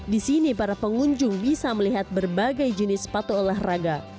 di sini para pengunjung bisa melihat berbagai jenis sepatu olahraga